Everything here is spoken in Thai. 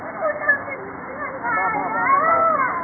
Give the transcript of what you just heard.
ขอบคุณที่ทำดีดีกับแม่ของฉันหน่อยครับ